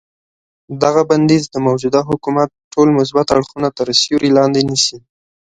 دغه بندیز د موجوده حکومت ټول مثبت اړخونه تر سیوري لاندې نیسي.